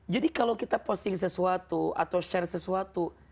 jadi kalau kita posting sesuatu atau share sesuatu